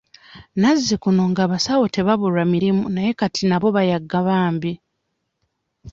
Nazzikuno nga abasawo tebabulwa mirimu naye kati nabo bayagga bambi.